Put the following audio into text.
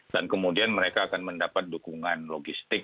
dan kemudian mereka akan mendapat dukungan logistik